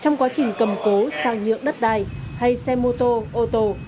người cầm cố sao nhượng đất đai hay xe mô tô ô tô